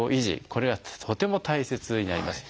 これはとても大切になります。